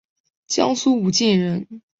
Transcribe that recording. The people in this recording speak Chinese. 江苏武进人。